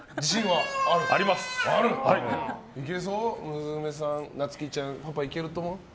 娘さん、夏希ちゃんパパ、いけると思う？